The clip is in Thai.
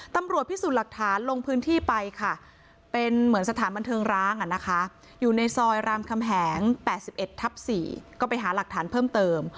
ตำรวจพิสูจน์หลักฐานลงพื้นที่ไปค่ะเป็นเหมือนสถานบันเทิงร้างอยู่ในซอยรามคำแหง๘๑ทับ๔ก็ไปหาหลักฐานเพิ่มเติม